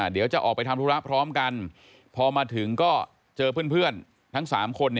เดี๋ยวจะออกไปทำธุระพร้อมกันพอมาถึงก็เจอเพื่อนทั้ง๓คน